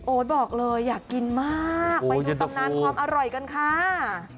บอกเลยอยากกินมากไปดูตำนานความอร่อยกันค่ะ